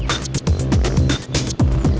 wah keren banget